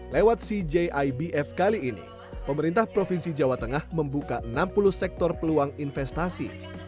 lewat cgibf kali ini pemerintah provinsi jawa tengah membuka enam puluh sektor peluang investasi